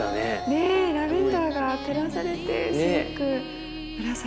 ねえラベンダーが照らされてすごく紫。